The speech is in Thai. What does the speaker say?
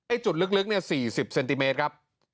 จุดลึกเนี่ย๔๐เซนติเมตรครับ